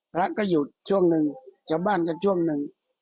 พระก็หยุดช่วงหนึ่งชาวบ้านก็ช่วงหนึ่ง